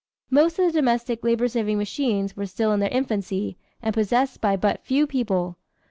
Most of the domestic labor saving machines were still in their infancy and possessed by but few people.